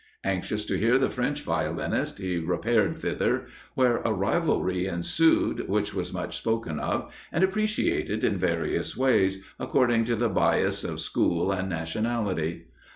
Anxious to hear the French violinist, he repaired thither, where a rivalry ensued, which was much spoken of, and appreciated in various ways, according to the bias of school and nationality.